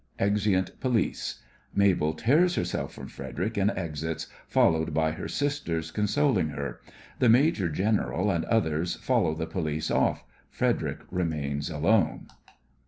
(Exeunt POLICE. MABEL tears herself from FREDERIC and exits, followed by her sisters, consoling her. The MAJOR GENERAL and others follow the POLICE off. FREDERIC remains alone.)